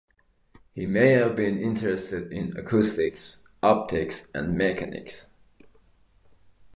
He may have been interested in acoustics, optics and mechanics.